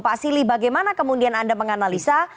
pak sili bagaimana kemudian anda menganalisa